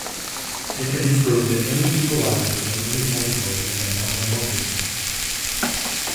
It can be proved that any equalizer in any category is a monomorphism.